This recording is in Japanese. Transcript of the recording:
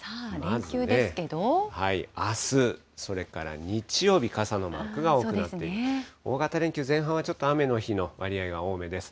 あす、それから日曜日、傘のマークが多くなって、大型連休前半はちょっと雨の日の割合が多めです。